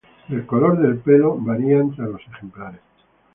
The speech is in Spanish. El color del pelo varía entre los ejemplares.